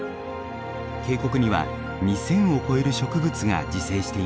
渓谷には２，０００を超える植物が自生しています。